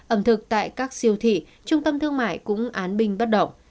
ẩm thực tại các siêu thị trung tâm thương mại cũng án binh bất động